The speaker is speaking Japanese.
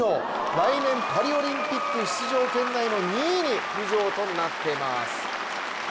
来年パリオリンピック出場圏内の２位に浮上となっています。